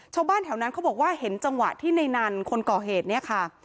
ชาวบ้านแถวนั้นเขาบอกว่าเห็นจังหวะที่ในนั้นคนก่อเหตุเนี่ยค่ะ